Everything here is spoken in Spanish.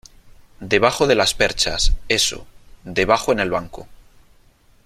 debajo de las perchas . eso , debajo en el banco .